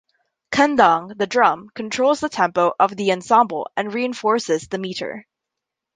Kendang, the drum, controls the tempo of the ensemble and reinforces the meter.